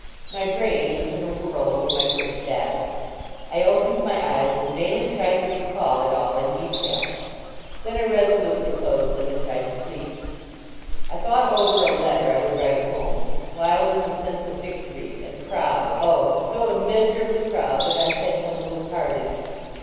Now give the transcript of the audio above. My brain was in a whirl over my first battle. I opened my eyes and vainly tried to recall it all in de tail. Then I resolutely closed them and tried to sleep. I thought over a letter I would write home ; wild with a sense of victory and 222 LAUREL AND CYPRESS proud, oh! so immeasurably proud that I had some little part in it.